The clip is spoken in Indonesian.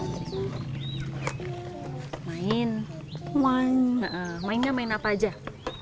terima kasih masya allah